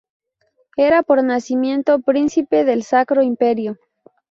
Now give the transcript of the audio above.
Era por nacimiento príncipe del Sacro Imperio.